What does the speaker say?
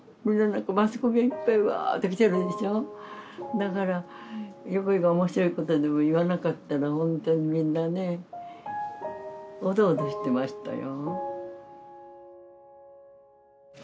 マスコミがいっぱいうわーって来てるでしょだから横井が面白いことでも言わなかったら本当にみんなねおどおどしてましたよ